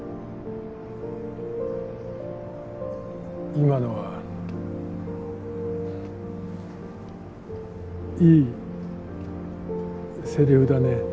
今のはいいセリフだね。